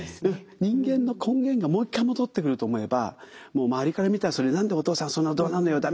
人間の根源がもう一回戻ってくると思えばもう周りから見たらそれ「何でお父さんそんなどなるのよ。